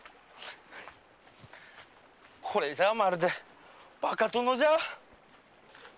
これじゃまるでバカ殿じゃ。